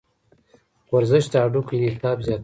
ورزش د هډوکو انعطاف زیاتوي.